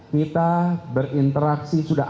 kita berinteraksi sudah